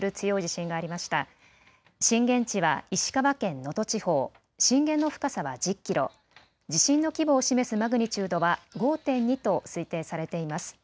震源地は石川県能登地方、震源の深さは１０キロ、地震の規模を示すマグニチュードは５．２と推定されています。